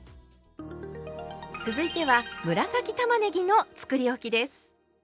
続いては紫たまねぎのつくりおきです。